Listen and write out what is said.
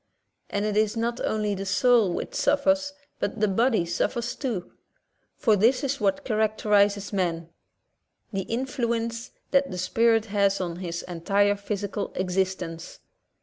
And it is not only the soul which suffers, but the body suffers too. For this is what char acterizes man — the influence that the spirit has on his entire physical existence.